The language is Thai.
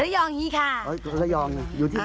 ระยองอยู่ที่ที่